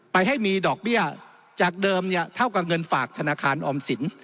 ให้มีดอกเบี้ยจากเดิมเนี่ยเท่ากับเงินฝากธนาคารออมสิน